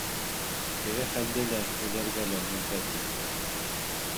«Теге хәл»де һөйләргә лә мөҙҙәт етте.